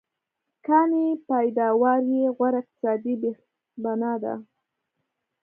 کانې پیداوار یې غوره اقتصادي بېخبنا ده.